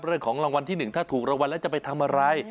เรื่องของรางวัลที่หนึ่งถ้าถูกรางวัลแล้วจะไปทำอะไร